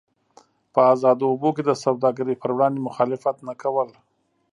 په ازادو اوبو کې د سوداګرۍ پر وړاندې مخالفت نه کول.